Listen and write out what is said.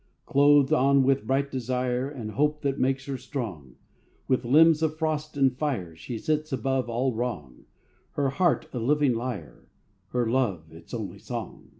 Clothed on with bright desire And hope that makes her strong, With limbs of frost and fire, She sits above all wrong, Her heart, a living lyre, Her love, its only song.